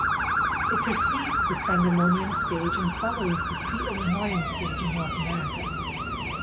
It precedes the Sangamonian stage and follows the Pre-Illinoian Stage in North America.